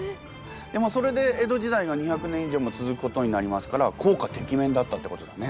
でもそれで江戸時代が２００年以上も続くことになりますから効果てきめんだったってことだね。